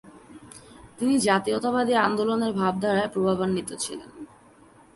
তিনি জাতীয়তাবাদী আন্দোলনের ভাবধারায় প্রভাবান্বিত ছিলেন।